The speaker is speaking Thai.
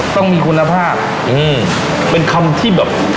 ต้องมีคุณภาพอืมเป็นคำที่แบบ